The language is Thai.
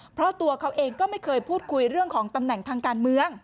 เพราะตัวเขาเองก็ไม่เคยพูดคุยเรื่องของตำแหน่งทางการเมือง